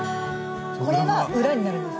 これが裏になるんです。